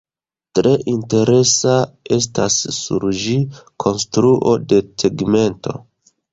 Tre interesa estas sur ĝi konstruo de tegmento.